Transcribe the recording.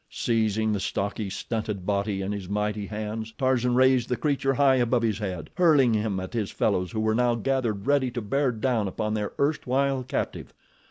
Seizing the stocky, stunted body in his mighty hands Tarzan raised the creature high above his head, hurling him at his fellows who were now gathered ready to bear down upon their erstwhile captive.